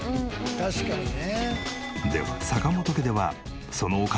確かにね。